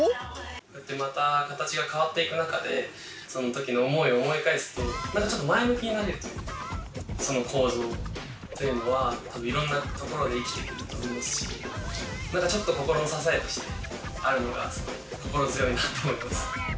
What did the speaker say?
こうやってまた形が変わっていく中でその時の思いを思い返すと何かちょっと前向きになれるというかその構造っていうのは多分いろんなところで生きてくると思うし何かちょっと心の支えとしてあるのがすごい心強いなと思います。